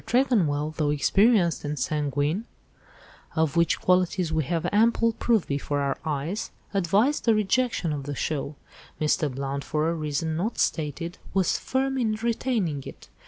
Tregonwell, though experienced and sanguine—of which qualities we have ample proof before our eyes—advised the rejection of the 'show.' Mr. Blount, for a reason not stated, was firm in retaining it.